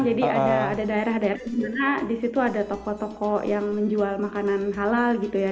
jadi ada daerah daerah di mana di situ ada toko toko yang menjual makanan halal gitu ya